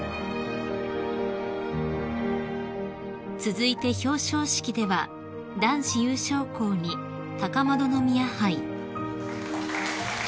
［続いて表彰式では男子優勝校に高円宮牌］